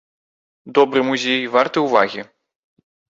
Добры музей, варты ўвагі.